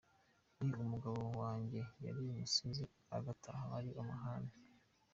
Ati “Umugabo wanjye yari umusinzi, agataha ari amahane.